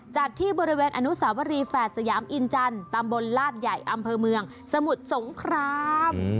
จัดที่บริเวณอนุสาวรีแฝดสยามอินจันทร์ตำบลลาดใหญ่อำเภอเมืองสมุทรสงคราม